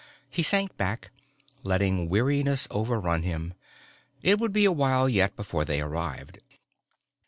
_ He sank back, letting weariness overrun him. It would be awhile yet before they arrived.